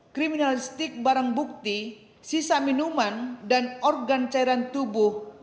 kriminalistik barang bukti sisa minuman dan organ cairan tubuh